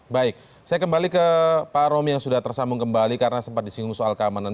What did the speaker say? baik saya kembali ke pak romi yang sudah tersambung kembali karena sempat disinggung soal keamanan